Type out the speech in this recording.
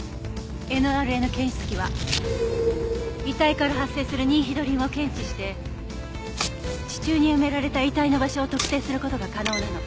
ＮＲＮ検出器は遺体から発生するニンヒドリンを検知して地中に埋められた遺体の場所を特定する事が可能なの。